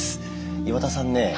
岩田さんね